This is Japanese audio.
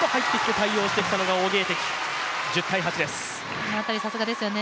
この辺り、さすがですよね。